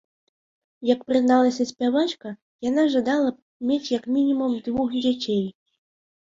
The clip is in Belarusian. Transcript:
Як прызналася спявачка, яна жадала б мець як мінімум двух дзяцей.